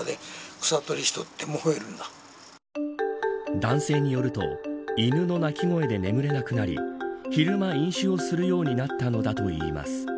男性によると犬の鳴き声で眠れなくなり昼間飲酒をするようになったのだといいます。